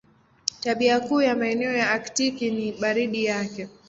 Tabia kuu ya maeneo ya Aktiki ni baridi yake.